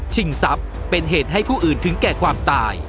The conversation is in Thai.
ทรัพย์เป็นเหตุให้ผู้อื่นถึงแก่ความตาย